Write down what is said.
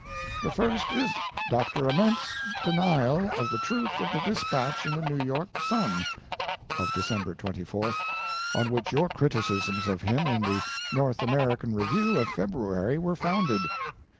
"The first is Dr. Amends denial of the truth of the dispatch in the New Yori 'Sun' of December 24th, on which your criticisms of him in the NORTH AMERICAN REVIEW of February were founded.